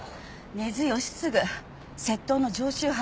根津吉次窃盗の常習犯。